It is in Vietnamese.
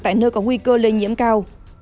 tại nơi có nguy cơ lây nhiễm cao